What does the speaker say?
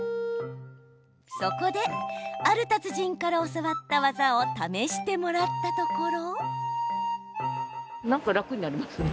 そこで、ある達人から教わった技を試してもらったところ。